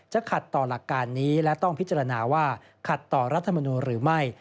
ขัดต่อหลักการนี้และต้องพิจารณาว่าขัดต่อรัฐมนูลหรือไม่